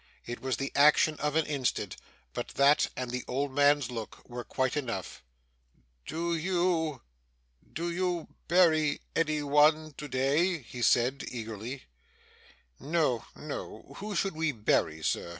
It was the action of an instant, but that, and the old man's look, were quite enough. 'Do you do you bury any one to day?' he said, eagerly. 'No, no! Who should we bury, Sir?